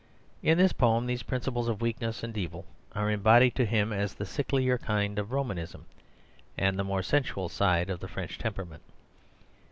In this poem these principles of weakness and evil are embodied to him as the sicklier kind of Romanism, and the more sensual side of the French temperament.